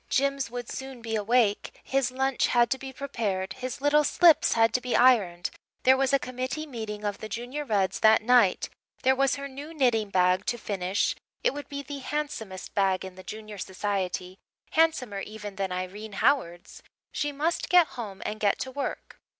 Jims would soon be awake his lunch had to be prepared his little slips had to be ironed there was a committee meeting of the Junior Reds that night there was her new knitting bag to finish it would be the handsomest bag in the Junior Society handsomer even than Irene Howard's she must get home and get to work.